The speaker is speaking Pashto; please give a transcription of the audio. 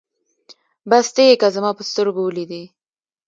بس ته يې که زما په سترګو وليدې